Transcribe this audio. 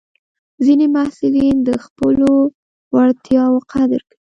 ځینې محصلین د خپلو وړتیاوو قدر کوي.